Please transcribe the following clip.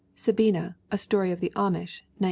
Sabina, a Story of the Amish, 1905.